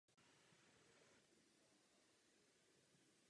Jak na přípravný proces dohlížíme?